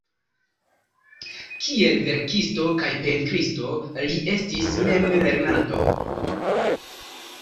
Kiel verkisto kaj pentristo li estis memlernanto.